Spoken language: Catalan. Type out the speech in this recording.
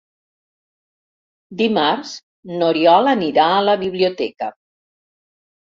Dimarts n'Oriol anirà a la biblioteca.